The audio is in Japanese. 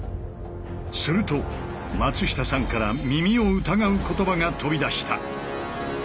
すると松下さんから耳を疑う言葉が飛び出した。